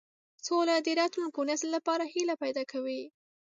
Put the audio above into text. سوله د راتلونکي نسل لپاره هیلې پیدا کوي.